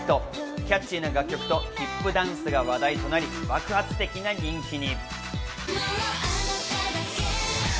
キャッチーな楽曲とヒップダンスが話題となり爆発的な人気に。